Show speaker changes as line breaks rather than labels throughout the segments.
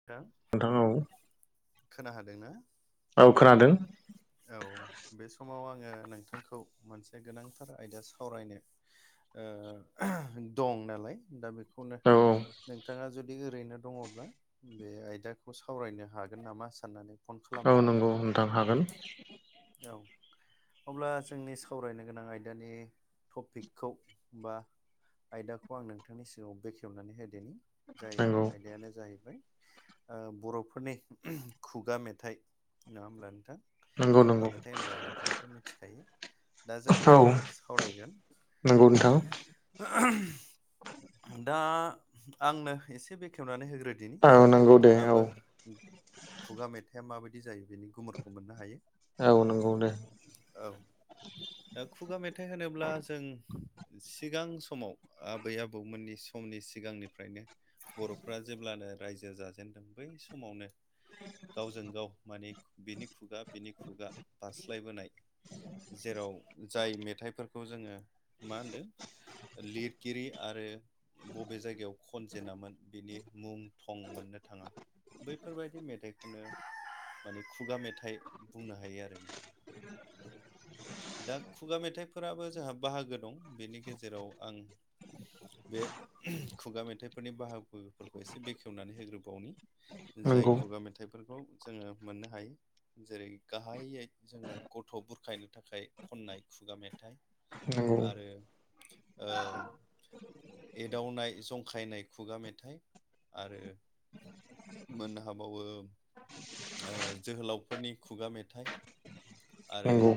नोंथां
नोंथां औ
खोनादों ना
औ खोनादों।
औ बे समाव आङो नोंथांखौ मोनसे गोनांथार आयदा सावरायनो। दं नालाय दा बेखौनो
औ
नोंथाङा जुदि ओरैनो दङब्ला बे आयदाखौ सावरायनो हागोन नामा साननानै फन
औ
खालामदोंमोन
नंगौ नोंथां हागोन
औ। अब्ला जोंनि सावरायनो गोनां आयदानि टपिकखौ बा आयदाखौ आं नोंथांनि सिगाङाव बेखेवनानै होदोनि जाय
नंगौ
आयदायानो जाहैबाय। ओ बर'फोरनि खुगा मेथाइ नङा होमब्ला नोंथां?
नंगौ
खुगा
नंगौ
मेथाइ होनब्ला नोंथाङाथ' मिथिखायो। दा जों
औ
बेखौनो सावरायगोन।
नंगौ नोंथां
दा आंनो एसे बेखेवनानै होग्रो बिदिनि
औ
जाहाथे
नंगौ दे औ
नोंथाङाबो खुगा मेथाइआ माबायदि जायो बेनि गुमुरखौ मोननो हायो।
औ नंगौ दे
औ दा खुगा मेथाइ होनोब्ला जों सिगां समाव आबै आबौमोननि समनि सिगांनिफ्रायनो बर'फ्रा जेब्लानो रायजो जाजेनदों बै समावनो गावजों गाव माने बिनि खुगा बेनि ओ खुगा बास्लायबोनाय जेराव जाय मेथाइ खौ जोङो मा होनदों लिरगिरि आरो बबे जायगायाव खन जेेनामोन बिनि मुं थं मोननो थाङा बैफोरबायदि मेथाइखौनो माने खुगा मेथाइ बुंनो हायो आरो नोंथां दा खुगा मेथाइफोराबो जोंहा बाहागो दं बेनि गेजेराव आं बे खुगा मेथाइफोरनि बाहागोफोरखौ एसे बेखेवनानै होग्रोबावनि जाय
नंगौ
खुगा मेथाइफोरखौ जोङो मोननो हायो जेरै गाहायै जोङो गथ' बुरखाय थाखाय खननाय खुगा मेथाइ
नंगौ
आरो ओ एदावनाय जंखायनाय खुगा मेथाइ आरो मोननो हाबावो ओ जोहोलावफोरनि खुगा मेथाइ आरो
नंगौ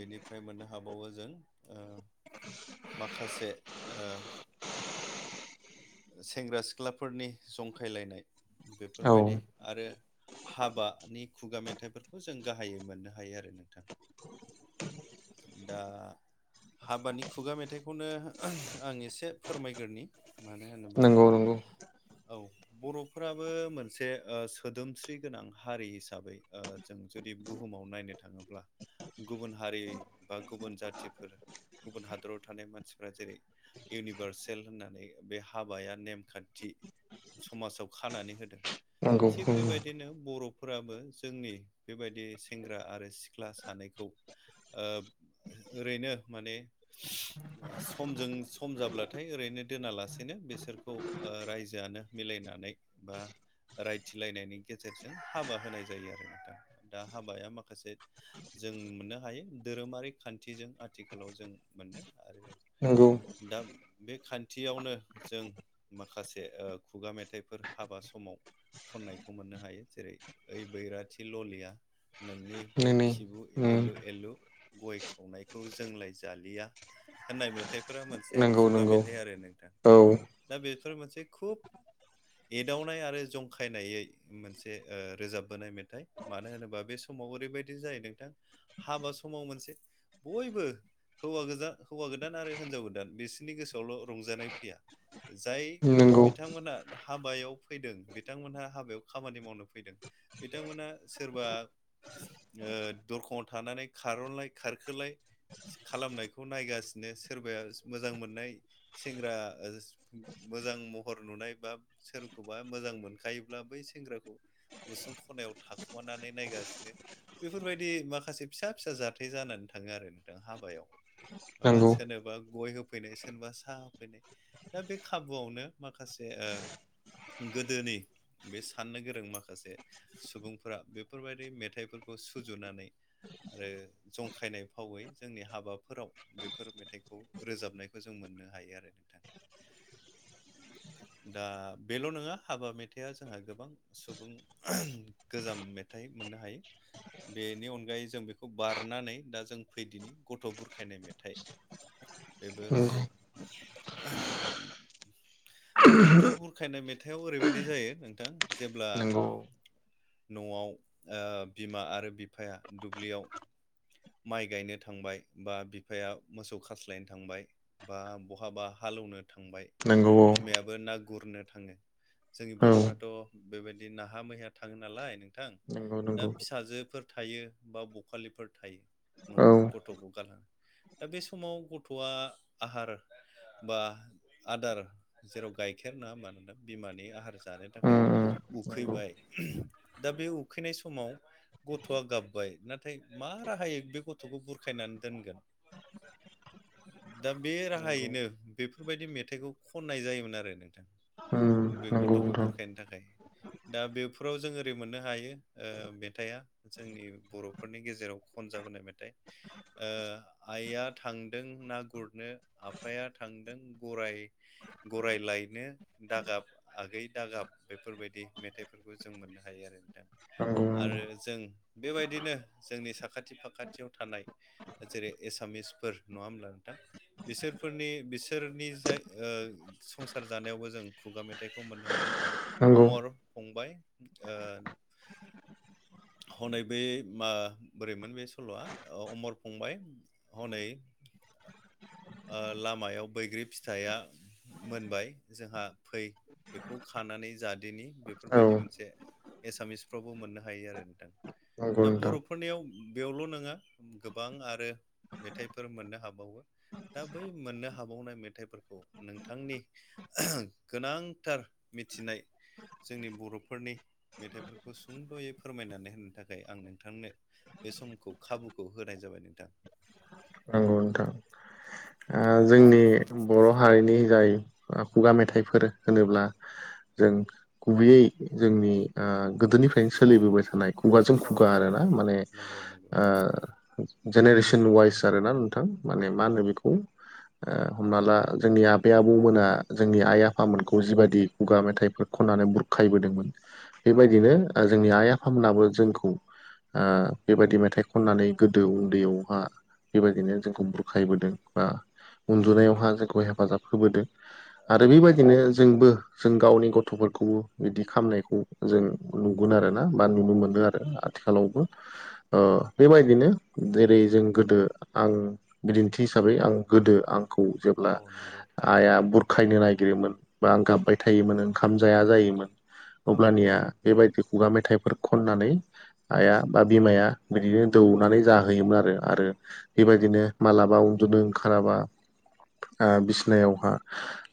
बेनिफ्राय मोननो हाबावो जों ओ माखासे ओ सेंग्रा सिख्लाफोरनि जंखायलायनाय
औ
बेफोरबायदि आरो हाबानि खुगा मेथाइफोरखौ जों गाहायै मोननो हायो आरो नोंथां दा हाबानि खुगा मेथाइखौनो आं एसे फोरमायग्रोनि मानो होनोबा
नंगौ नंगौ
औ बर'फ्राबो मोनसे ओ सोदोमस्रि गोनां हारि हिसाबै जों जुदि बुहुमाव नायनो थाङोब्ला गुबुन हारि बा गुबुन जाथिफोर गुबुन हादराव थानाय मानसिफ्रा जेरै इउनिभारसेल होननानै बे हाबाया नेमखानथि समाजाव खानानै होदों थिग
नंगौ
बेबायदिनो बर' फोराबो जोंनि बेबायदि सेंग्रा आरो सिख्ला सानैखौ ओरैनो माने समजों सम जाब्लाथाय ओरैनो दोनालासेनो बिसोरखौ रायजोआनो मिलायनानै बा रायथिलायनायनि गेजेरजों हाबा होनाय जायो आरोना दा हाबाया माखासे जों मोननो हायो धोरोमारि खानथिजों आथिखालाव जों मोनो आरो
नोंगौ
दा बे खानथियावनो जों माखासे खुगा मेथाइफोर हाबा समाव खननायखौ मोननो हायो जेरै ओइ बैराथि ललिया नोंनि बे
नोंनि
खिबु
उम
एलु एलु गय खावनायखौ जोंलाय जालि लिया होननाय मेथाइफोरा मोनसे
नंगौ
खुगा
नंगौ
मेथाइ आरो नोंथां
औ
दा बेफोर मोनसे खुब एदावनाय आरो जंखायनायै मोनसे रोजाबबोनाय मेथाइ मानो होनोबा बे समाव ओरैबायदि जाहै नोंथां हाबा समाव मोनसे बयबो हौव गोजान हौवा गोदान आरो हिनजाव गोदान बिसोरनि गोसोआवल' रंजानाय फैया जाय
नंगौ
बिथांमोनहा हाबायाव फैदों बिथांमोनहा हाबायाव खामानि मावनो फैदों बिथांमोना सोरबा दरखंाव थानानै खार'लाय खारखोलाय खालामनायखौ नायगासिनो सोरबाया मोजां मोननाय सेंग्रा मोजां महर नुनाय बा सोरखौबा मोजां मोनखायोब्ला बै सेंग्राखौ गुसुं खनायाव थाखुमानानै नायगासिनो बेफोरबायदि माखासे फिसा फिसा जाथाय जानानै थाङो आरो नोंथां हाबायाव हाबायाव बा
नंगौ
सोरनोबा गय होफैनाय सोरनोबा साहा होफैनाय दा बे खाबुआवनो माखासे गोदोनि बे साननो गोरों माखासे सुबुंफोरा बेफोरबायदि मेथाइफोरखौ सुजुनानै आरो जंखायनाय फावै जोंनि हाबाफोराव बेफोर मेथाइखौ रोजाबनायखौ जों मोननो हायो आरो नोंथां दा बेल नङा हाबा मेथाइआ जोंहा गोबां सुबुं गोजाम मेथाइ मोननो हायो बेनि अनगायै जों बेखौ बारनानै दा जों फैदिनि गथ' बुरखायनाय मेथाइ बेबो गथ' बुरखायनाय मेथाइआव ओरैबायदि जायो नोंथां जेब्ला
नंगौ
न'आव बिमा आरो बिफाया दुब्लियाव माइ गायनो थांबाय बा बिफाया मोसौ खास्लायनो थांबाय बा बहाबा हालौनो थांबाय
नोंगौ औ
बिमायाबो ना गुरनो थाङो जोंनि
औ
बर'फ्राथ बेबायदि नाहा मैहा थाङो नालाय नोंथां
नंगौ
दा
नंगौ
फिसाजोफोर थायो बा बखालिफोर थायो न'आव
औ उम
गथ'खौ गारङो दा बे समाव गथ'आ आहार बा आदार जेराव गाइखेर नङा मानोना बिमानि आहार जानो थाखाय
उम नंगौ
उखैबाय दा बे उखैनाय समाव गथ'आ गाबबाय नाथाय मा राहायै बे गथ'खौ बुरखायनानै दोनगोन दा बे
नंगौ
राहायैनो बेफोरबायदि मेथाइखौ खननाय जायोमोन आरो नोंथां
उम
बे
नंगौ
गथ'खौ
नोंथां
बुरखायनो थाखाय दा बेफोराव जों ओरै मोननो हायो ओ मेथाइया जोंनि बर'फोरनि गेजेराव खनजाबोनाय मेथाइ ओ आइया थांदों ना गुरनो आफाया थांदों गराय गराय लायनो दागाब आगै दागाब बेफोरबायदि मेथाइफोरखौ जों मोननो हायो आरो नोंथां
नंगौ नंगौ
आरो जों बेबायदिनो जोंनि साखाथि फाखाथियाव थानाय जेरै एसामिसफोर नङा होमब्ला नोंथां बिसोरफोरनि बिसोरनि जाय ओ संसार जानायावबो जों खुगा मेथाइखौ मोननो हायो
नंगौ
अमर फंबाय ओ हनै बे मा बोरैमोन बे सल'आ अमर फंबाय हनै ओ लामायाव बैग्रि फिथाइया मोनबाय जोंहा फै बेखौ खानानै जादिनि
औ
बेफोरबायदि मोनसे एसामिसफ्रावबो मोननो हायो आरो नोंथां
नंगौ
दा
नोंथां
बर'फोरनियाव बेयावल नङा गोबां आरो मेथाइफोर मोननो हाबावो दा बै मोननो हाबावनाय मेथाइफोरखौ नोंथांनि गोनांथार मिथिनाय जोंनि बर'फोरनि मेथाइफोरखौ सुंद'यै फोरमायनानै होनो थाखाय आं नोंथांनो बे समखौ खाबुखौ होनाय जाबाय नोंथां
औ नोंथां ओ जोंनि
[inaudible]
बर' हारिनि जाय खुगा मेथाइफोर होनोब्ला जों गुबैयै जोंनि आ गोदोनिफ्रायनो सोलिबोबाय थानाय खुगाजों
औ
खुगा
नंगौ।
आरोना माने
नंगौ नंगौ
ओ जेनेरेसन वाइस आरोना नोंथां माने मा होनो
औ
बेखौ हमना ला जोंनि आबै आबौमोना जोंनि आइ आफामोनखौ जिबादि खुगा मेथाइफोर खननानै बुरखायबोदोंमोन
औ औ
बेबायदिनो जोंनि आइ आफामोनाबो जोंखौ ओ बेबायदि मेथाइ खननानै गोदो उदैयावहा बेबायदिनो जोंखौ बुरखायबोदों बा उन्दुनायावहा जोंखौ हे फाजाब होबोदों
औ
आरो
नंगौ
बेबायदिनो जोंबो जों गावनि गथ'फोरखौबो इदि खामनायखौ जों नुगोन आरोना बा नुनो मोनो आरो। आथिखालावबो ओ बेबायदिनो जेरै जों गोदो आं बिदिन्थि हिसाबै आं गोदो आं खौ
औ
जेब्ला
नंगौ थारैनो
आइआ बुरखायनो नागिरोमोन बा आं गाबबाय थायोमोन ओंखाम जाया जायोमोन
औ
अब्लानिया बेबायदि खुगा मेथाइफोर खननानै आइया बा बिमाया बिदिनो दौनानै जाहोयोमोन आरो आरो
औ
बेबायदिनो मालाबा उन्दुदों ओंखाराबा ओ बिसिनायावहा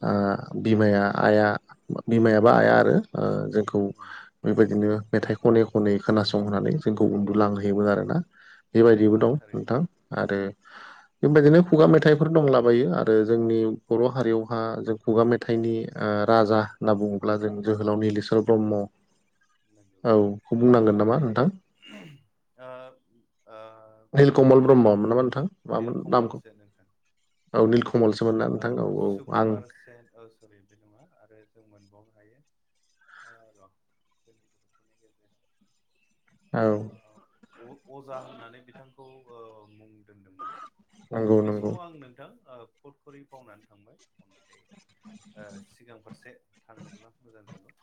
ओ बिमाया आइया बिमायाबा आइआ आरो ओ जों
उम,
बेबायदिनो मेथाइ खनै खनै खोनासंहनानै जोंखौ उन्दु लांहोयोमोन आरोना।
औ
बेबायदिबो
नंगौ
दं
थारैनो
नोंथां आरो बेबायदिनो खुगा मेथाइफोर दंलाबायो आ रो जोंनि बर' हारियावहा जों खुगा मेथाइनि ओ राजा होनना बुङो। अब्ला जों जोहोलाव निलेस्वर ब्रह्म
[inaudible]
औ खौ बुंनांगोन नामा नोंथां?
ओ ओ
निलकमल
बेथ'
ब्रह्ममोन नामा नोंथां मामोन नामखौ
निलकमलसो नोंथां
औ निल कमलसोमोना नोंथां औ औ आं
सेट अष्ट सरि बे नङा आरो जों मोनबावनो हायो ओ र' जोंनि [unintelligible]
औ
औ‌ बुहुत अजा होननानै बिथांखौ ओ मुं दोनदोंमोन। ओ
नंगौ
बे
नंगौ
समाव आं नोंथां ओ फुटकरि बावनानै थांबाय ओमफाय ओ सिगां फारसे थांनोब्ला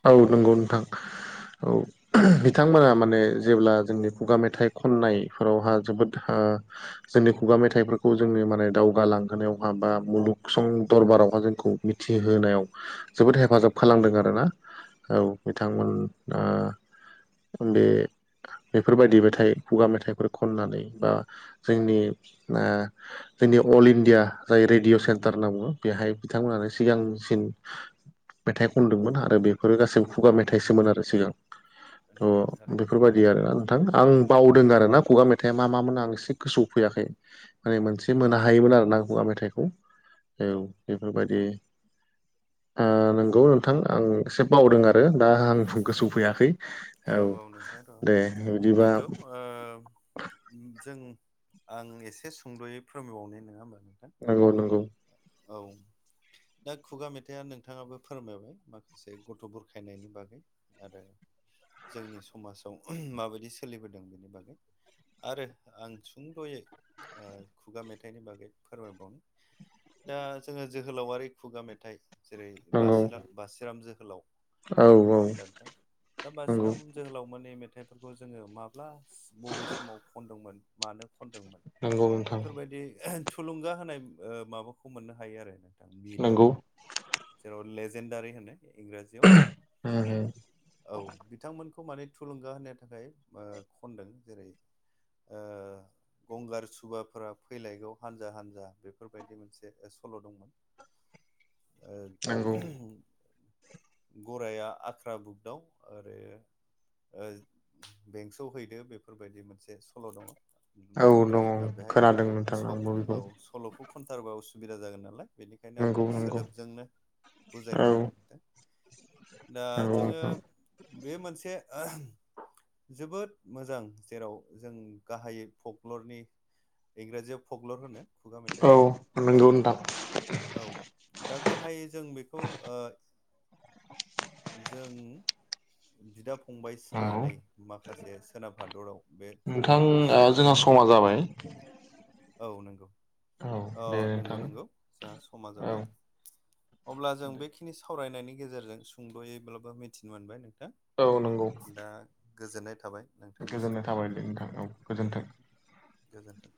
औ नंगौ नोंथां औ बिथांमोना माने जेब्ला जोंनि खुगा मेथाइ खननायफोरावहा जोबोदहा जोंनि खुगा मेथाइफोरखौ जोंनो माने दावगालांहोनायावहा बा मुलुगसं दरबारावहा जोंखौ मिथिहोनायाव जोबोद
औ
हेफाजाब
नंगौ
खालामदों आरोना। औ बिथांमोना ओ बे बेफोरबायदि मेथाइ खुगा मेथाइफोर खननानै बा जोंनि ओ जोंनि अल इण्डिया जाय रेडिय' सेन्टार होनना बुङो बेहाय बिथांमोनानो
औ
सिगांसिन
नंगौ
मेथाइ खनदोंमोन आरो बे फोरो गासैबो खुगा मेथाइसोमोन आरो सिगां अ
नंगौ थारैनो
बेफोरबाय दि आरोना नोंथां आं बावदों आरोना खुगा मेथाइआ मा मा मोन आं एसे गोसोआव फैयाखै। माने मोनसे मोननो हायोमोन आरोना खुगा मेथाइखौ। औ बेफोरबायदि ओ नंगौ नोंथां आं एसे बावदों आ रो दा आं गोसोआव फैयाखै औ दे बिदिबा
नंगौ ओ जों आं एसे सुंद'यै फोरमायबावनि नङा ओमबा नोंथां।
नंगौ नंगौ
औ दा खुगा मेथाइआ नोंथाङाबो फोरमायबाय माखासे गथ' बुरखायनायनि बागै। आरो जोंनि समाजाव माबायदि सोलिबोदों बेनि बागै। आरो आं सुंद'यै ओ खुगा मेथाइनि बागै फोरमायबावनि। दा जोङो जोहोलावारि खुगा मेथाइ जेरै
नंगौ
बासि बासिराम जोहोलाव।
औ औ
नङा ओमब्ला नोंथां दा
नंगौ
बासिराम जोहोलावमोननि मेथाइफोरखौ जोङो माब्ला बबे समाव खनदोंमोन मानो खनदोंमोन
नंगौ नोंथां
बेफोरबायदि थुलुंगा होनाय माबाखौ मोननो हायो आरो नोंथां बिटआव
नोंगौ
जेराव लेजेन्डारि होनो इंराजियाव
उम
औ बिथांमोनखौ माने थुलुंगा होनो थाखाय खनदों जेरै [unintelligible] गंगार सुबाफोरा फैलायगौ हानजा हानजा बेफोरबायदि मोनसे सल' दंमोन
नंगौ
गराया आख्रा बुगदाव आरो बेंस हैदो बेफोरबायदि मोनसे सल' दङ
औ
मानो होनबा
दङ
जोंहा बेहाय
खोनादों नोंथां
स
आंबो बेखौ
औ सल'खौ खनथारोबा उसुबिदा जागोन नालाय बेनिखायनो आं
नंगौ नंगौ
सोदोबजोंनो
औ
बुजायनाय जाबाय नोंथां दा
नंगौ
जोङो
नोंथां
बे मोनसे जोबोद मोजां जेराव जों गाहायै पक्लरनि इंराजियाव फकलर होनो मेथाइखौ
औ
दा
नंगौ नोंथां
औ दा गाहायै जों बेखौ जों बिदा फंबाय
नंगौ
सानै माखासे सोनाब हादराव बे
नोंथां
फगलरखौ
ओ जोंहा समा
सुजुजेनदोंमोन
जाबाय
औ नंगौ
औ
अ
दे
नंगौ
नोंथां
नंगौ जोंहा समा
औ
जाबाय अब्ला जों बेखिनि सावरायनायनि गेजेरजों सुंद'यैब्लाबो मिथिनो मोनबाय नोंथां
औ नंगौ
दा गोजोननाय थाबाय नोंथांनिसिम
गोजोन्नाय थाबाय दे नोंथां औ गोजोन्थों
गोजोन्थों